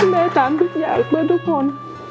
แม่ทำทุกอย่างเพื่อทุกคน